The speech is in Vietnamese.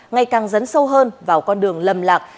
ngày càng dấn sâu hơn vào con đường lầm lạc